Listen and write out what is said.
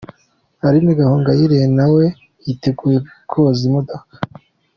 Aline Gahongayire na we yiteguye koza imodoka.